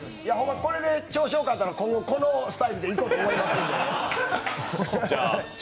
これで調子よかったら今後このスタイルでいこうと思います。